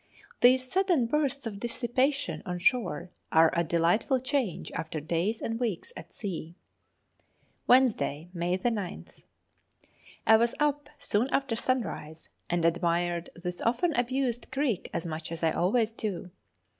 These sudden bursts of dissipation on shore are a delightful change after days and weeks at sea. Wednesday, May 9th. I was up soon after sunrise and admired this often abused creek as much as I always do.